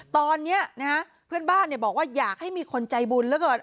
ตอนนี้นะฮะเพื่อนบ้านบอกว่าอยากให้มีคนใจบุญเหลือเกิน